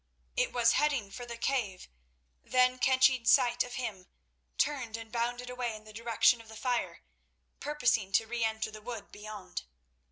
It was heading for the cave, then catching sight of him, turned and bounded away in the direction of the fire, purposing to reenter the wood beyond.